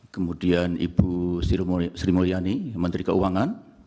kemudian ibu sri mulyani menteri keuangan